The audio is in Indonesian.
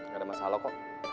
gak ada masalah kok